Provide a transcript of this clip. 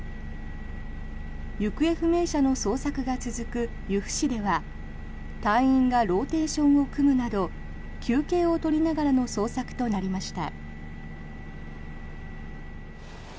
行方不明者の捜索が続く由布市では隊員がローテーションを組むなど休憩を取りながらの捜索となりました。